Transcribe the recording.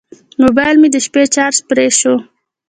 موبایل مې د شپې چارج پرې شو.